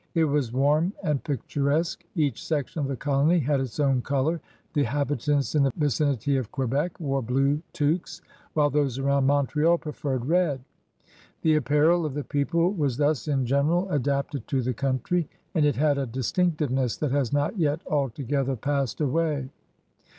It was warm and picturesque. Each section of the colony had its own color; the habitants in the vicinity of Quebec wore blue tuques, while those around Montreal preferred red. The apparel of the people was thus in general HOW THE PEOPLE LIVED 213 adapted to the country, and it had a distinctiveness that has not yet altogether passed away.